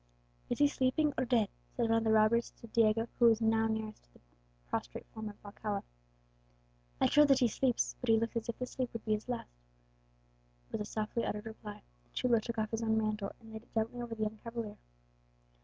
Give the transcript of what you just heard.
"Is he sleeping or dead?" said one of the robbers to Diego, who was nearest to the now prostrate form of Alcala. "I trow that he sleeps, but he looks as if the sleep would be his last," was the softly uttered reply. The chulo took off his own mantle, and laid it gently over the young cavalier.